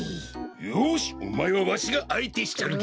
よしおまえはわしがあいてしちょるげ！